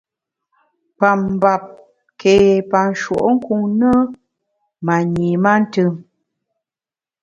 Pa mbap ké pa nshùenkun ne, ma nyi mantùm.